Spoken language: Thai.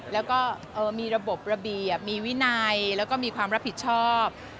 แล้วก็มีระบบระเบียบมีวินัยแล้วก็มีความรับผิดชอบ